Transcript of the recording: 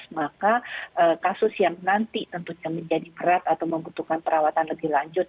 maka kasus yang nanti tentunya menjadi berat atau membutuhkan perawatan lebih lanjut